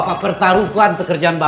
bapak pertaruhkan pekerjaan bapak